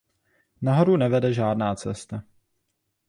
Nahoru nevede žádná cesta.